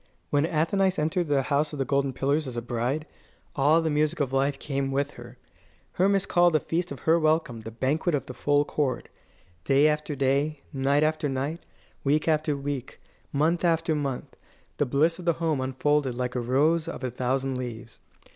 When Athenais entered the House of the Golden Pillars as a bride, all the music of life came with her. Hermas called the feast of her welcome "the banquet of the full chord." Day after day, night after night, week after week, month after month, the bliss of the home unfolded like a rose of a thousand leaves.